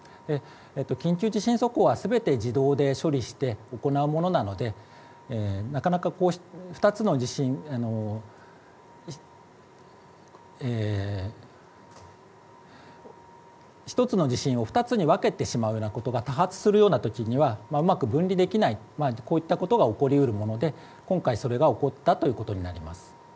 緊急地震速報はすべて自動で処理して行うものなのでなかなか２つの地震１つの地震を２つに分けてしまうようなことが多発するようなときにはうまく分離できないこういったことが起こりうるもので今回それが起こったということになります。